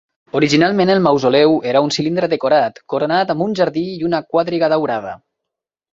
Originalment el mausoleu era un cilindre decorat, coronat amb un jardí i una quadriga daurada.